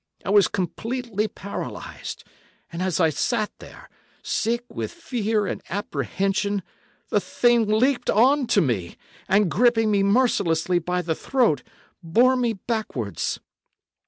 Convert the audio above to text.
I was completely paralysed, and as I sat there, sick with fear and apprehension, the thing leaped on to me, and, gripping me mercilessly by the throat, bore me backwards.